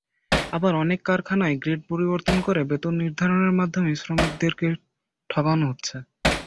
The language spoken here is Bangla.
আবার অনেক কারখানায় গ্রেড পরিবর্তন করে বেতন নির্ধারণের মাধ্যমে শ্রমিকদের ঠকানো হচ্ছে।